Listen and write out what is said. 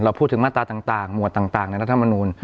พูดถึงมาตราต่างหมวดต่างในรัฐมนูล